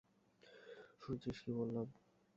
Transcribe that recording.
শুনেছিস কি বললাম?